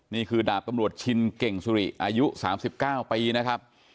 นี่คือดาบตำรวจชินเก่งสุริอายุ๓๙ปีนะครับ